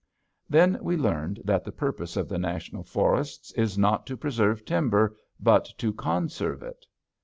Then we learned that the purpose of the National Forests is not to preserve timber but to conserve it.